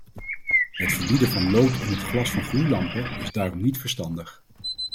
Het verbieden van lood in het glas van gloeilampen is daarom niet verstandig.